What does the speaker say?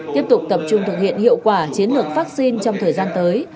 tiếp tục tập trung thực hiện hiệu quả chiến lược vaccine trong thời gian tới